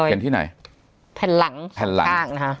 เห็นที่ไหนแผ่นหลังข้างนะคะ